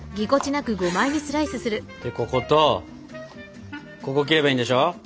でこことここ切ればいいんでしょ？